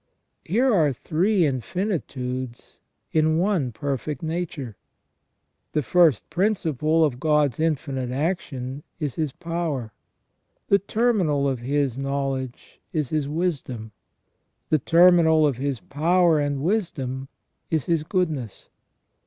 Here are three infinitudes in one perfect nature. The first principle of God's infinite action is His power ; the terminal of His knowledge is His wisdom ; the terminal of His power and wisdom is His goodness.